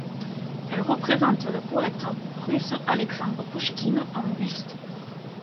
Elle représente le poète russe Alexandre Pouchkine en buste.